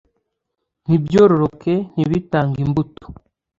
ntibyororoke ntibitange imbuto .